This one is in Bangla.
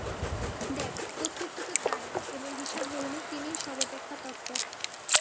দেখ, কর্তৃত্ব তো তাঁরই এবং হিসাব গ্রহণে তিনিই সর্বাপেক্ষা তৎপর।